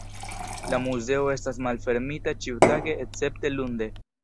La muzeo estas malfermita ĉiutage escepte lunde.